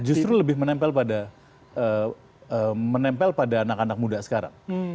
justru lebih menempel pada anak anak muda sekarang